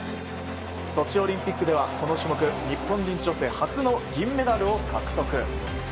ソチオリンピックではこの種目、日本人女性初の銀メダルを獲得。